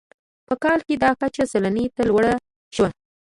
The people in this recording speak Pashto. په کال کې دا کچه سلنې ته لوړه شوه.